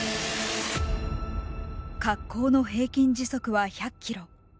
滑降の平均時速は１００キロ。